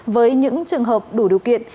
với những trường hợp đủ điều kiện